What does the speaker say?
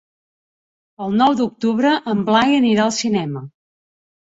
El nou d'octubre en Blai anirà al cinema.